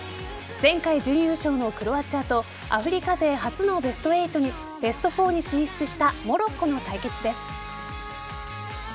前回準優勝のクロアチアとアフリカ勢初のベスト４に進出したモロッコの対決です。